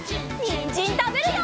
にんじんたべるよ！